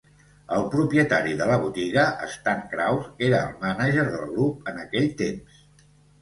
El propietari de la botiga, Stan Krause, era el mànager del grup en aquell temps.